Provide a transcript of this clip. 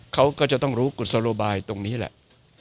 เขาก็จะต้องรู้กุศโลบายตรงนี้แหละ